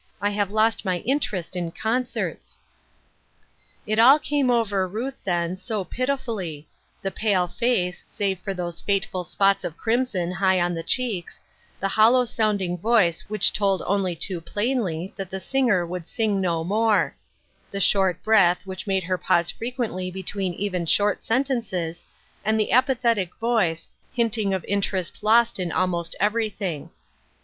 1 have lost my interest in concerts." It all came over Ruth then, so pitifully — the pale face, save for those fateful spots of crimson high on the cheeks, the hollow sounding voice which told only too plainly that the singer would sing no more ; the short breath, which made her pause frequently between even short sentences, and the apathetic voice, hinting of interest lost in almost everything.